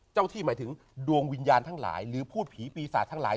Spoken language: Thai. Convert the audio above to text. เจ้าที่หมายถึงดวงวิญญาณทั้งหลายหรือพูดผีปีศาจทั้งหลาย